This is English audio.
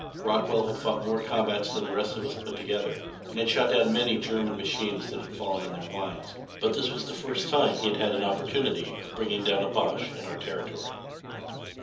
Rockwell had fought more combats than the rest of us put together, and had shot down many German machines that had fallen in their lines, but this was the first time he had had an opportunity of bringing down a Boche in our territory.